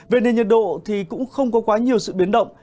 về nền nhiệt độ thì cũng không có quá nhiều sự biến động